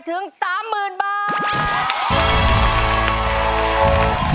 ถึง๓๐๐๐บาท